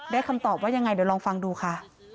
คำตอบว่ายังไงเดี๋ยวลองฟังดูค่ะ